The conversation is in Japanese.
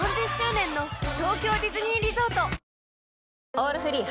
「オールフリー」